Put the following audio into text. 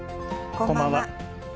こんばんは。